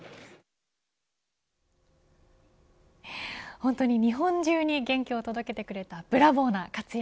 本当に日本中に元気を届けてくれたブラボーな活躍